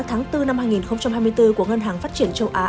tháng bốn năm hai nghìn hai mươi bốn của ngân hàng phát triển châu á